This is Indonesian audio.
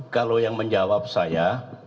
kalau yang menjawab saya